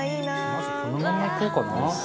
まずこのままいこうかな。